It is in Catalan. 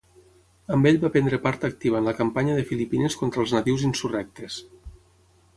Amb ell va prendre part activa en la Campanya de Filipines contra els nadius insurrectes.